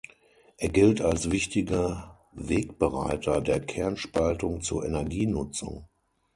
Er gilt als wichtiger Wegbereiter der Kernspaltung zur Energienutzung.